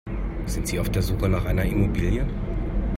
Sind Sie auf der Suche nach einer Immobilie?